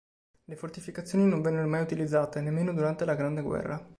Le fortificazioni non vennero mai utilizzate, nemmeno durante la Grande Guerra.